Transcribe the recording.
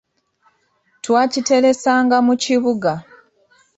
Twakiteresanga mu kibuga.